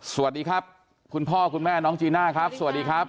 สวัสดีครับคุณพ่อคุณแม่น้องจีน่าครับสวัสดีครับ